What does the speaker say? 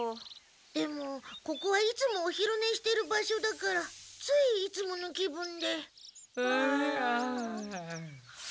でもここはいつもお昼寝してる場所だからついいつもの気分で。